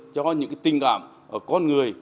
cho những cái tình cảm của con người